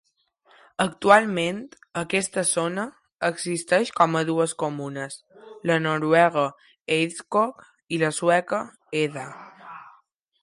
Actualment, aquesta zona existeix com a dues comunes: la noruega Eidskog i la sueca Eda.